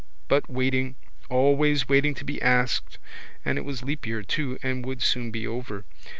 But waiting, always waiting to be asked and it was leap year too and would soon be over.